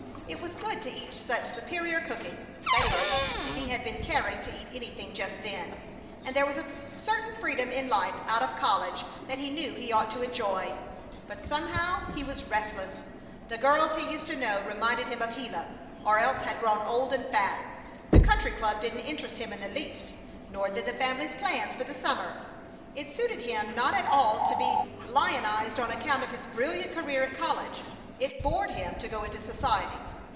It was good to eat such superior cooking that is, if he had been caring to eat anything just then; and there was a certain freedom in life out of college that he knew he ought to enjoy; but somehow he was restless. The girls he used to know reminded him of Gila, or else had grown old and fat. The Country Club didn't interest him in the least, nor did the family's plans for the summer. It suited him not at all to be lionized on account of his brilliant career at college. It bored him to go into society.